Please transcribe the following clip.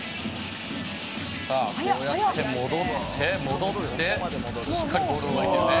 さあこうやって戻って戻ってしっかりボール奪い取るね。